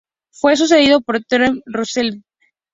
Fue sucedido por Theodore Roosevelt.